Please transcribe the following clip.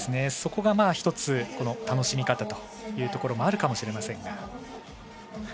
そこが１つ楽しみ方というところもあるかもしれません。